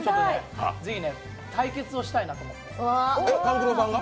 ぜひね、対決をしたいなと思って。